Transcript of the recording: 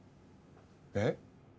えっ？